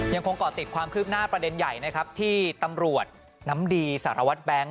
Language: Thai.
ก่อติดความคืบหน้าประเด็นใหญ่นะครับที่ตำรวจน้ำดีสารวัตรแบงค์